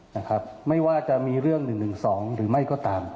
นะครับไม่ว่าจะมีเรื่องหนึ่งหนึ่งสองหรือไม่ก็ตาม